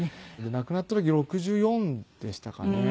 亡くなった時６４でしたかね。